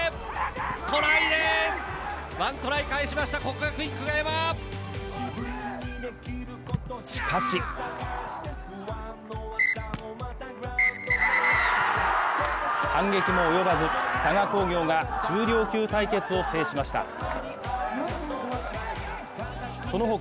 しかし反撃も及ばず、佐賀工業が重量級対決を制しました。